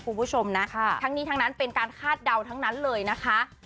คุณผู้ชมนะทั้งนี้ทั้งนั้นเป็นการคาดเดาทั้งนั้นเลยนะคะ